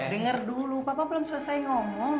dengar dulu papa belum selesai ngomong